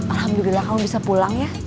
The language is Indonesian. alhamdulillah kamu bisa pulang ya